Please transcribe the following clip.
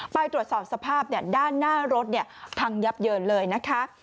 ไปตรวจสอบสภาพด้านหน้ารถพังยับเยินเลยนะคะ